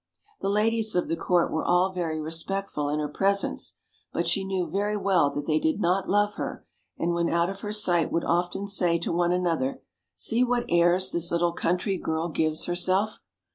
The ladies of the court were all very respectful in her presence; but she knew very well that they did not love her, and when out of her sight would often say to one another, "See what airs this little country girl gives her self.